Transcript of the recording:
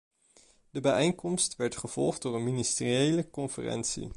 De bijeenkomst werd gevolgd door een ministeriële conferentie.